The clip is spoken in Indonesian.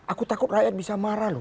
aku takut rakyat bisa marah loh